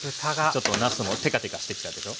ちょっとなすもテカテカしてきたでしょ。